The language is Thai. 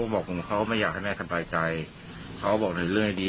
บอกว่าเค้าไม่อยากให้แม่ทำปลายใจเค้าบอกหน่อยเรื่องไอ้ดี